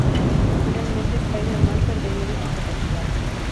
Finalmente Spider-Man perdería dicha capacidad.